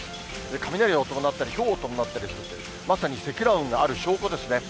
雷を伴ってひょうとなったりして、まさに積乱雲がある証拠ですね。